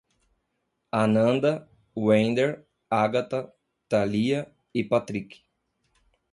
Ananda, Wender, Ágatha, Thalia e Patrik